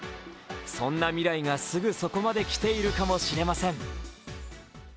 そんな未来がすぐそこまで来ているかもしれません。